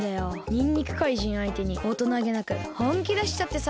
にんにくかいじんあいてにおとなげなくほんきだしちゃってさ。